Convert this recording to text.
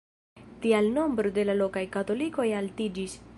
Tial nombro de la lokaj katolikoj altiĝis.